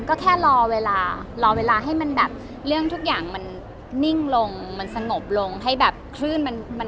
ก็แค่รอเวลาให้เรื่องทุกอย่างนิ่งลงสงบลงให้ขึ้น